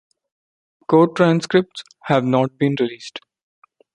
Court transcripts have not been released.